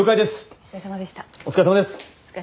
お疲れさまでした。